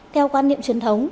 theo quan niệm truyền thống